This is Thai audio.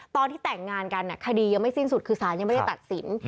ตอนที่แต่งงานกันคดียังไม่สิ้นสุดคือสารยังไม่ได้ตัดสิน